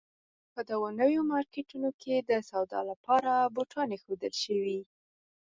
په دغو نویو مارکېټونو کې د سودا لپاره بوتان اېښودل شوي.